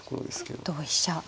同飛車。